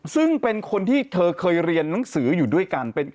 ซึ่งเป็นคนที่เธอเคยเรียนหนังสืออยู่ด้วยกัน